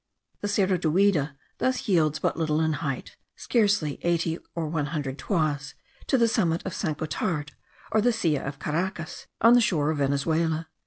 The Cerro Duida thus yields but little in height (scarcely eighty or one hundred toises) to the summit of St. Gothard, or the Silla of Caracas on the shore of Venezuela.